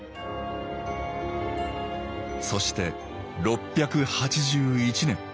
そして６８１年。